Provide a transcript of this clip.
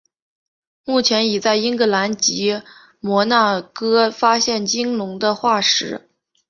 目前已在英格兰及摩纳哥发现鲸龙的化石。